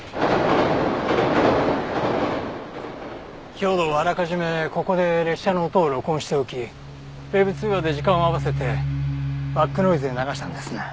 兵働はあらかじめここで列車の音を録音しておきＷｅｂ通話で時間を合わせてバックノイズで流したんですね。